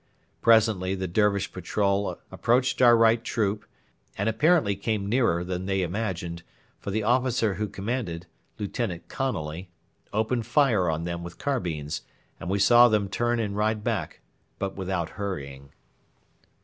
Presently the Dervish patrol approached our right troop, and apparently came nearer than they imagined, for the officer who commanded Lieutenant Conolly opened fire on them with carbines, and we saw them turn and ride back, but without hurrying.